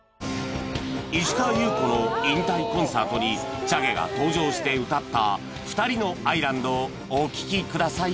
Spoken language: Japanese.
石川優子の引退コンサートにチャゲが登場して歌った『ふたりの愛ランド』をお聴きください